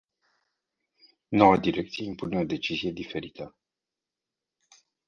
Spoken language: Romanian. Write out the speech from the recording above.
Noua direcție impune o decizie diferită.